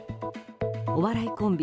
お笑いコンビ